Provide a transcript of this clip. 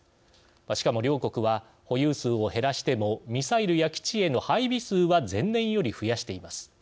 しかも両国は保有数を減らしてもミサイルや基地への配備数は前年より増やしています。